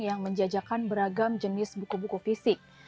yang menjajakan beragam jenis buku buku fisik